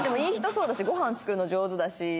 そうだしご飯作るの上手だし。